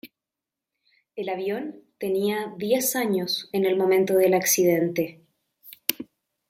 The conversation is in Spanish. El avión tenía diez años en el momento del accidente.